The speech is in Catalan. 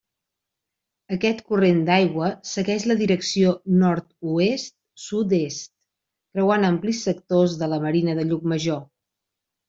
Aquest corrent d'aigua segueix la direcció nord-oest-sud-est, creuant amplis sectors de la Marina de Llucmajor.